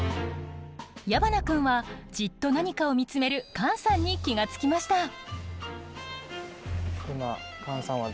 矢花君はじっと何かを見つめるカンさんに気が付きました。